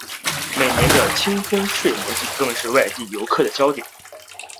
每年的青森睡魔祭更是外地游客的焦点。